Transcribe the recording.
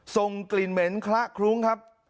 ส่งกลิ่นเหม็นคละคลุ้งครับ